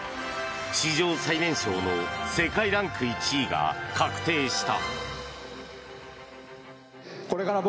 史上最年少の世界ランク１位が確定した。